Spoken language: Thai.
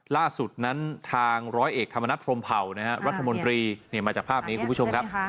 ล่าสุดนั้นทางร้อยเอกธรรมนัฐพรมเผารัฐมนตรีมาจากภาพนี้คุณผู้ชมครับ